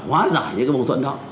hóa giải những cái mâu thuẫn đó